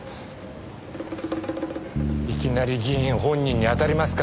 いきなり議員本人に当たりますか？